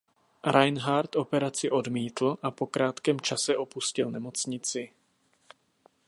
Reinhardt operaci odmítl a po krátkém čase opustil nemocnici.